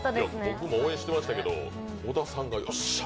僕も応援してましたけど小田さんが「おっしゃー」